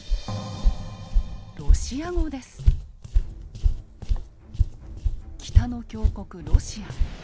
北の強国ロシア。